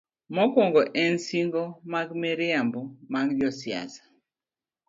Mokwongo en singo mag miriambo mag josiasa.